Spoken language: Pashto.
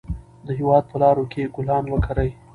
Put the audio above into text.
د هېواد په لارو کې ګلان وکرئ.